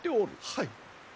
はい。